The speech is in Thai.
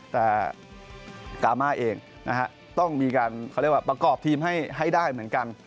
แต่กาม่าต้องมีการประกอบทีมให้ได้เหมือนกัน